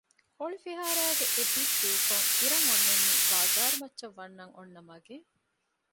ހޮޅި ފިހާރައިގެ އެ ބިތް ދޫކޮށް އިރަށް އޮންނަނީ ބާޒާރުމައްޗަށް ވަންނަން އޮންނަ މަގެއް